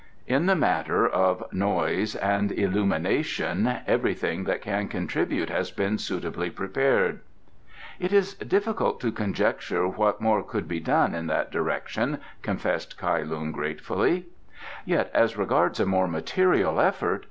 In the matter of noise and illumination everything that can contribute has been suitably prepared." "It is difficult to conjecture what more could be done in that direction," confessed Kai Lung gratefully. "Yet as regards a more material effort